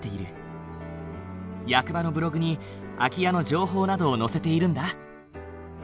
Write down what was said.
役場のブログに空き家の情報などを載せているんだ。